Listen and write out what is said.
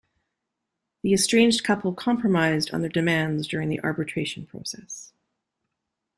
The estranged couple compromised on their demands during the arbitration process.